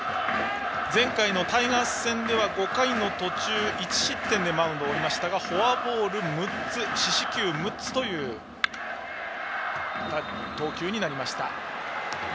前回のタイガース戦では５回の途中、１失点でマウンドを降りましたが四死球６つという投球でした。